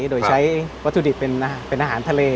โดยใช้วัตถุดิบเป็นอาหารทะเล